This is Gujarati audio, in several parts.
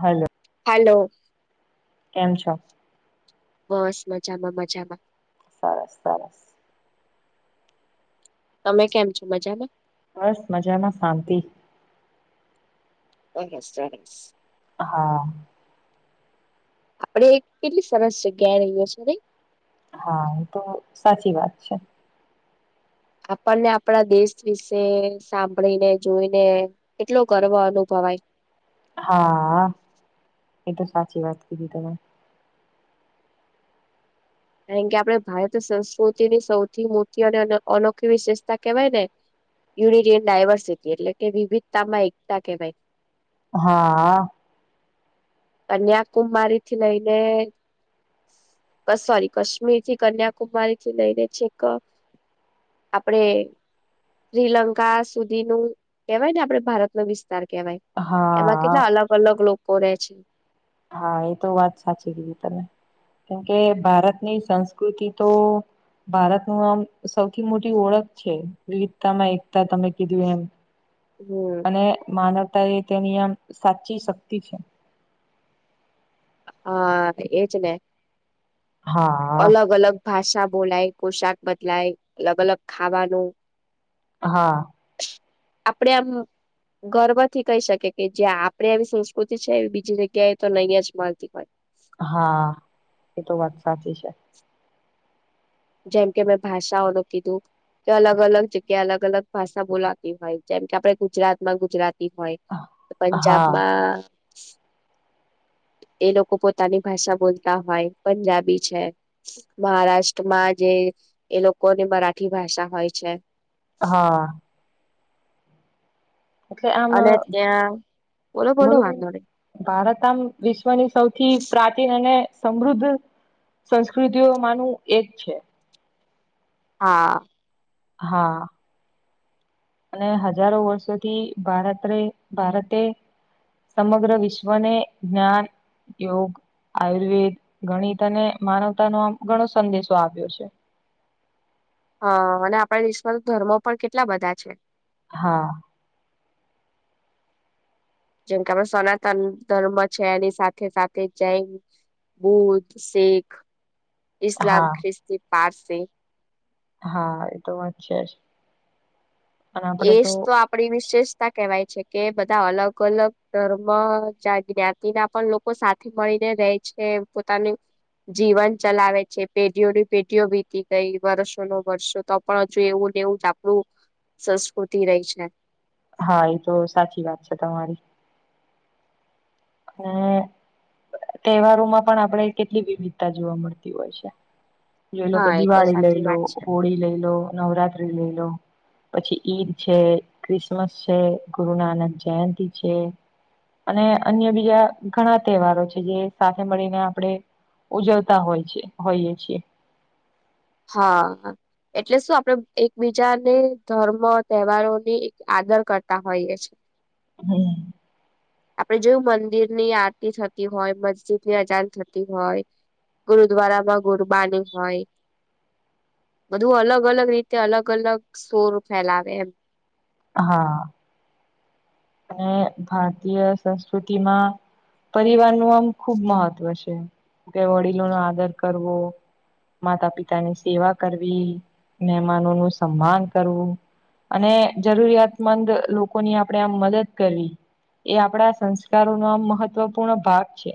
હલો. હલો. કેમ છો? બસ મજામાં મજામાં. સરસ સરસ. તમે કેમ છો મજામાં? બસ મજામાં, શાંતિ. ઓકે સરસ. હા. આપડે કેટલી સરસ જગ્યાએ રહીએ છે નઈ? હા, એ તો સાચી વાત છે. આપણને આપણા દેશ વિશે સાભળીને જોઈને કેટલો ગર્વ અ ભવાય. હા, એ તો સાચી વાત કીધી તમે. કારણ કે આપણે ભારતી સંસ્કૃતિની સૌથી મોટી અને અ અનોખી વિશેષતા કેવાય ને યુનિટી ઈન ડાયવર્સિટી એટલે કે વિવિધતામાં એકતા કહેવાય. હા. કન્યાકુમારીથી લઈને ક સોરી કશ્મીરથી કન્યાકુમારીથી લઈને છેક આપડે શ્રીલંકા સુધીનું કેહવાયને આપડે ભારતનો વિસ્ વિસ્તાર કેવાય એમાં હા કેટલા અલગ-અલગ લોકો રે છે. હા એ તો વાત સાચી કીધી તમે કેમકે ભારતની સંસ્ કૃતિ તો ભારતનું આમ સૌથી મોટી ઓળખ છે વિવિધતામાં એકતા તમે કીધું એમ. હમ અને માનવતા એ તેની આમ સાચી શક્તિ છે. હા એજ ને. હા અલગ-અલગ ભાષા બોલાય, પોશાક બદલાય, અલગ-અલગ ખાવાનું હા. આપડે આમ ગર્વથી કહી શકે કે જા આપણેે આવી સંસ્કૃતિ છે એ બીજી જગ્યાએ તો નહીં જ મળતી હોય. હા, એ તો વાત સાચી છે. જેમ કે મેં ભાષાઓનું કીધું કે અલગ અલગ જગ્યા અલગ અલગ ભાષા બોલાતી હોય જેમ કે આપડે ગુજરાત માં ગુજરાતી હોય હા પંજાબમાં એ લોકો પોતાની ભાષા બોલતા હોય પંજાબી છે, મહારાષ્ટ્ર માં જે એ લોકોને મરાઠી ભાષા હોય છે. હા. એટલે આમ અને ત્યાં બોલો બોલો ભારત આમ વિશ્વની સૌથી પ્રાચીન અને સમૃદ્ધ સંસ્કૃતિઓમાનું એક છે. હા. હા. અને હજારો વર્ષોથી ભારતરે ભારતે સમગ્ર વિશ્વને જ્ઞાન, યોગ આયુર્વેદ, ગણિત અને માનવતાનો આમ ઘણો સંદેશો આપ્યો છે. હા અને આપણા દેશમાં તો ધર્મો પણ કેટલા બધા છે. હા. જેમ કે આપ સનાતન ધર્મ છે એની સાથે સાથે જૈન બુધ શીખ ઇસ્લામ હા ખ્રિસ્તી પારસી હા એતો વાત છે જ અને આપડે એજ તો આપડી વિશેષ કવાય છે કે બધા અલગ અલગ ધર્મ જ્ઞાતિના પણ લોકો સાથે મળી રે છે પોતાનું જીવન ચલાવે છે પેઢીઓની પેઢીઓ વીતી ગઈ વર્ષો નો વર્ષો તો પણ હજુ એવું એવું જ આપણું સંસ્કૃતિ રહી છે હા એ તો સાચી વાત છે તમારી હમ તહેવારો માં પણ આપણેે કેટલી વિવિધતા જોવા મળતી હોય છે જોઈ લો કે હા એ તો દિવાળી લઈ સાચી લો વાત છે હોળી લઈ લો નવરાત્રી લઈ લો પછી ઈદ છે ક્રિસમસ છે ગુરુ નાનક જયંતિ છે અને અન્ય બીજા ઘણા તહેવારો છે જે સાથે મળીને આપડે ઉજવતા હોય છે હોઈએ છીએ હા એટલે શું આપણે એકબીજાને ધર્મ તહેવારોની આદર કરતા હોઈએ છેએ હમ આપડે જોયુ મંદિર ની આરતી થતી હોય મસ્જિદ ની અજાન થતી હોય ગુરુદ્વારા માં ગુરબાની હોય બધું અલગ અલગ રીતે અલગ અલગ સોર ફેલાવે એમ હા અને ભારતીય સંસ્કૃતિમા પરિવાર નું આમ ખુબ મહત્વ છે કે વડીલો નો આદર કરવો માતા પિતાની સેવા કરવી મહેમાનો નું સન્માન કરવું અને જરૂરિયાતમંદ લોકોની આપણેે આમ મદદ કરવી એ આપડા સંસ્કારોનો આ મહત્વપૂર્ણ ભાગ છે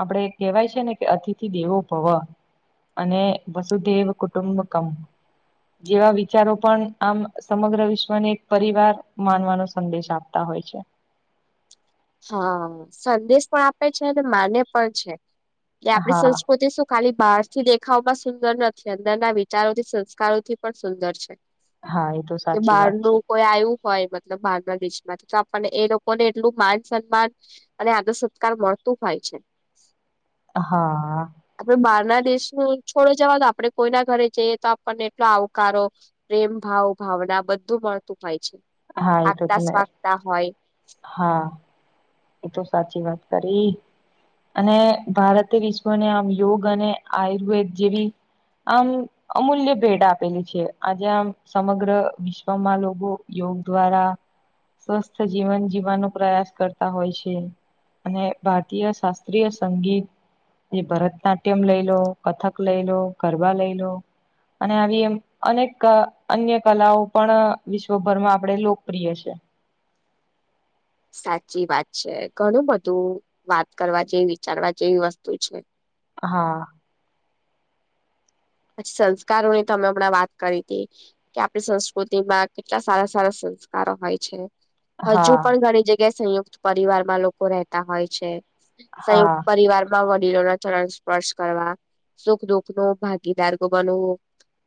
આપડે કેહેવાય છે ને કે અતિથી દેવો ભવ અને વસુધેવ કુટુંબકમ જેવા વિચારો પણ આમ સમગ્ર વિશ્વને એક પરિવાર માનવાનો સંદેશ આપતા હોય છે હા સંદેશ પણ આપે છે અને માને પણ છે એ આપણી હા સંસ્કૃતિ શું ખાલી બહારથી દેખાવમાં સુંદર નથી અંદરના વિચારોથી, સંસ્કારોથી પણ સુંદર છે. હા એ તો કે સાચી વાત બહારનું છે કોઈ આયુ હોય મતલબ બહારના દેશમાંથી તો આપણને એ લોકોને એટલું માન સન્માન અને આદર સત્કાર મળતું હોય છે હા દેશ ન છોડ જવાદો આપડે કોઈના ઘરે જઈએ તો આપણને એટલો આવકારો પ્રેમ ભાવ ભાવ બધું મળતું હોય છે હા એ તો આગતા તમે સ્વાગતા હોય હા એ તો સાચી વાત કરી અને ભારતે વિશ્વને આમ યોગ અને આયુર્વેદ જેવી આમ અમૂલ્ય ભેટ આપેલી છે આજે આમ સમગ્ર વિશ્વમાં લોકો દ્વારા સ્વસ્થ જીવન જીવવાનો પ્રયાસ કર તા હોય છે અને ભારતીય શાસ્ત્રીય સંગીત એ ભરત નાટ્યમ લઈ લો કથક લઈ લો ગરબા લઈ લો અને આવી એ અનેક અન્ય કલાઓ પણ વિશ્વભરમાં આપણેે લોકપ્રિય છે [inaudible] સાચી વાત છે ઘણું બધું વાત કરવા જેવી વિચારવા જેવી વસ્તુ છે હા પછી સંસ્કારોની તમે હમણાં વાત કરી હતી કે આપણી સંસ્કૃતિમાં કેટલા સારા સારા સંસ્કારો હોય છે હજુ હા પણ ઘણી જગ્યાએ સંયુક્ત પરિવારમાં લોકો રહેતા હોય છે. સંયુક્ત હા પરિવારમાં વડીલોના ચરણ સ્પર્શ કરવા સુખ દુઃખનો ભાગ ગીદાર કો બનવું.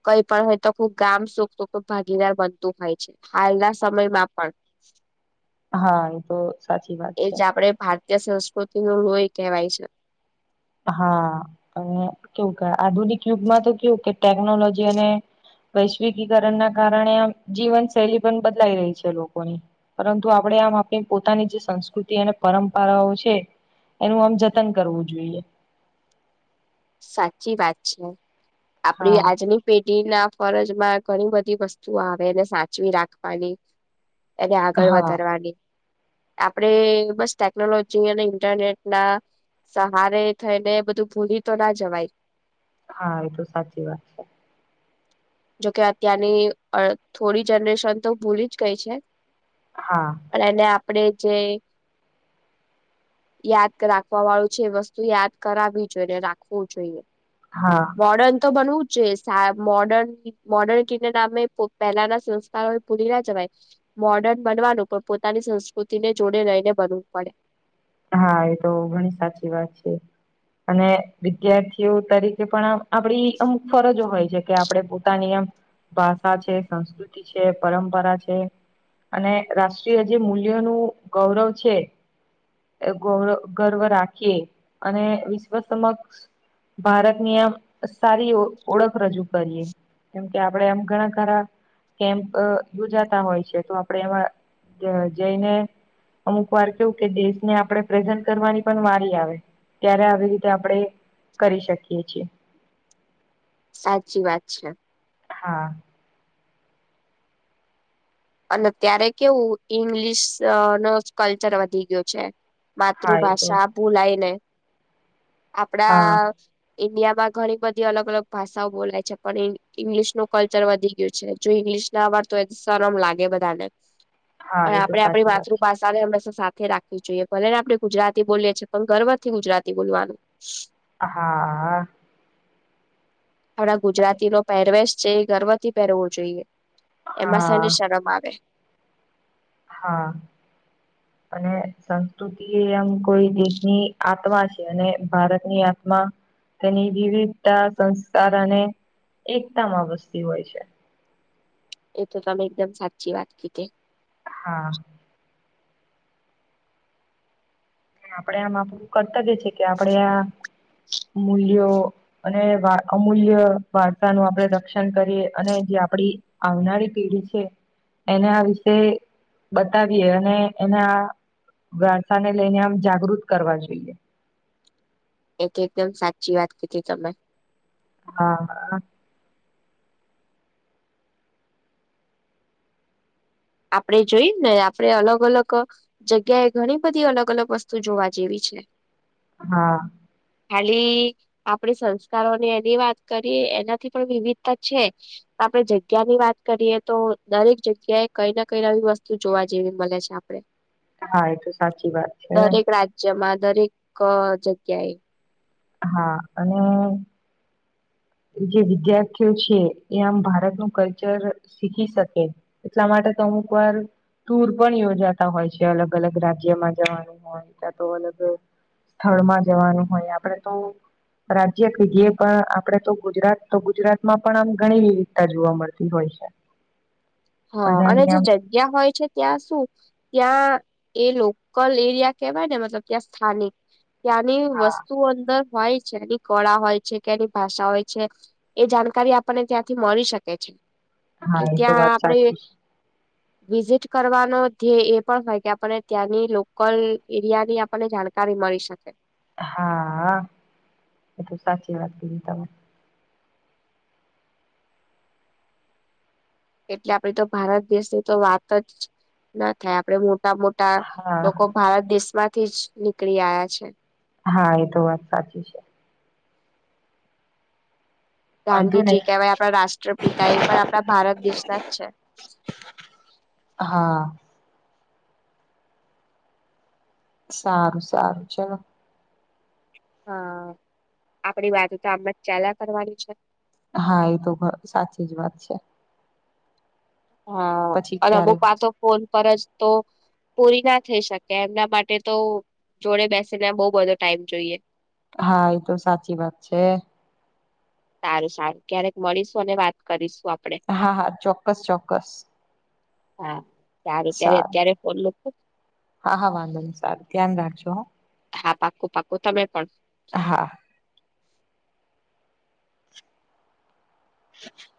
કઈ પણ હોય તો ખુબ ગામ સુખ દુઃખમાં ભાગીદાર બનતુ હોય છે. હાલના સમયમાં પણ. હા એ તો સાચી વાત છે. જે સંસ્કૃતિનું લોહી કેવાય છે. હા અને કેવું કે આધુનિક યુગમાં તો કેવું કે ટેકનોલોજી અને વૈશ્વિકીકરણના કારણે આમ જીવન શૈલી પણ બદલાઈ રહી છે લોકોની. પરંતુ આપણે આમ આપણી પોતાની જે સંસ્કૃતિ અને પરંપરાઓ છે. એનું આમ જતન કરવું જોઈએ. સાચી વાત છે. આપડી હા આજની પેઢીના ફરજમાં ઘણી બધી વસ્તુઓ આવે એને સાચવી રાખવાની. એને આગળ હા વધારવાની. આપણે બસ ટેકનોલોજી અને ઇન્ટરનેટના સહારે થઈને બધું ભૂલી તો ના જવાય. હા એ તો સાચી વાત છે. જોકે અત્યારની અ થોડી જનરેશન તો ભૂલી જ ગઈ છે. હા પણ એને આપણેે જે યાદ રાખવા વાળું છે એ વસ્તુ યાદ કરાવવી જોઈને રાખવું જોઈએ. હા મોર્ડર્ન તો બનવું જ જે સા મોર્ડન મોર્ડર્ન કીનીડા મેં પહેલાના સંસ્કારોને ભૂલી ના જવાય. મોડર્ન બનવાનું પણ પોતાની સંસ્કૃતિને જોડે લઈને બનવું પડે. હા એ તો ઘણી સાચી વાત છે. અને વિદ્યાર્થીઓ તરીકે પણ આપડી અમુક ફરજો હોય છે કે આપણે પોતાની આમ ભાષા છે, સંસ્કૃતિ છે, પરંપરા છે. અને રાષ્ટ્રીય જે મૂલ્યોનું ગૌરવ છે. એ ગૌરવ ગર્વ રાખીએ અને વિશ્વ સમક્ષ ભારતની આમ સારી ઓ ઓળખ રજૂ કરીએ. કેમ કે આપડે આમ ઘણા ખરા કેમ્પ યોજાતા હોય છે તો આપણે એમાં જ જઈને અમુક વાર કેવું કે દેશ ને આપણે પ્રેઝન્ટ કરવાની પણ વારી આવે ત્યારે આવી રીતે આપણેે કરી શકીએ છીએ. સાચી વાત છે. હા અને ત્યારે કેવું ઈંગ્લિશનો જ કલ્ચર વધી ગયો છે. હા એ તો માતૃભાષા ભૂલાઈને હા આપડા ઈન્ડિયામાં ઘણી બધી અલગ અલગ ભાષાઓ બોલાય છે પણ ઈ ઇંગ્લિશનું કલ્ચર વધી ગયું છે જોઈ [inaudible] શરમ લાગે બધાને હા પણ એ તો આપડે આપણી સાચી વાત માતૃભાષાને હંમેશા સાથે રાખવી જોઈએ. ભલેને આપણે ગુજરાતી બોલીએ છીએ પન ગર્વથી ગુજરાતી બોલવાનું. હા આ આપણા ગુજરાતીનો પહેરવેશ છે એ ગર્વથી પહેરવો જોઈએ. એમાં શેની હા શરમ? [inaudible] હા અને સંસ્કૃતિ આમ કોઈ દેશની આત્મા છે અને ભારતની આત્મ મા તેની વિવિધતા, સંસ્કાર અને એકતા માં વસતી હોય છે. એ તો તમે એકદમ સાચી વાત કીધી. હા. આપડે આમ આપડું કર્તવ્ય છે કે આપડે આ મૂલ્યો અને અમૂલ્ય વાર્તા નું આપણે રક્ષણ કરી અને આપડી આવનારી પેઢી છે. એને આ વિશે બતાવીએ અને એને આ વારસા ને લઈને આમ જાગૃત કરવા જોઈએ. એ તો એકદમ સાચી વાત કીઘી તમે. હા. આપડે જોઈએ ને આપણે અલગ અલગ જગ્યાએ ઘણી બધી અલગ અલગ વસ્તુ જોવા જેવી છે. છે. હા. ખાલી આપડે સંસ્કારોને એની વાત કરીએ એનાથી પણ વિવિધતા છે. આપડે જગ્યાની વાત કરીએ તો દરેક જગ્યાએ કઈ ના કઈ નવી વસ્તુ જોવા જેવી મળે છે આપડે. હા, એ તો સાચી વાત છે. દરેક રાજ્યમાં દરેક જગ્યાએ હા, અને [unintelligible] જે વિદ્યાર્થીઓ છે, એ આમ ભારતનું કલ્ચર શીખી શકે, એટલા માટે તો અમુક વાર ટુર પણ યોજાતા હોય છે. અલગ અલગ રાજ્યમાં જવાનું હોય, ત્યાં તો અલગ સ્થળમાં જવાનું હોય, આપણેે તો. રાજ્ય કે, એ પણ આપડે તો ગુજરાત, તો ગુજરાતમાં પણ આમ ઘણી વિવિધતા જોવા મળતી હોય છે. હા, અને બધાની જે આમ જગ્યા હોય છે, ત્યાં શું? ત્યાં એ લોકલ એરિયા કેવાય ને, મતલબ ત્યાં સ્થાનિક ત્યાંની હા વસ્તુ અંદર હોય છે, એની કળા હોય છે કે એની ભાષા હોય છે, એ જાણકારી આપણને ત્યાંથી મળી શકે છે. હા, એટલે એ તો ત્યાં વાત સાચી. [unintelligible] છે વિઝિટ કરવાનો ધે એ પણ હોય કે આપણને ત્યાંની લોકલ એરિયા ની આપણને જાણકારી મળે. કરી શકે. હા, એ તો સાચી વાત કીધી તમે. એટલે આપડી તો ભારત દેશની તો વાત જ ના થાય. આપડે મોટ એટલા મોટા હા લોકો ભારત દેશ માંથી જ નીકળી આયા છે. હા, એ તો વાત સાચી છે. વાંધો ગાંધીજી નહી કહેવાય આપણા રાષ્ટ્રપિતા, એ પણ આપડા ભારત દેશના જ છે. હા. સારું, સારું, ચલો. હા, આપડી વાતો તો આમજ ચાલયા કરવાની છે. હા, એ તો સાચી જ વાત છે. હા, પછી અને અમુક ક્યારેક પાછો ફોન પર જ તો પૂરી ના થઈ શકે. એમના માટે તો જોડે બેસીને, બહુ બધો ટાઈમ જોઈએ. હા, એતો સાચી વાત છે. સારું, સારું. ક્યારેક મળીશું અને વાત કરીશું. આપ હા, હા. ચોક્કસ, ચોક્કસ. હા, સારું. ત્યારે અત્યારે ફોન મુકો. હા, હા. વાંધો નહી. સારું, ધ્યાન રાખજો હ. હા, પાકુ, પાકુ. તમે પણ. હા [unintelligible]